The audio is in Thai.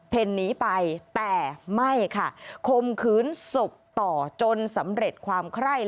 หนีไปแต่ไม่ค่ะคมขืนศพต่อจนสำเร็จความไคร้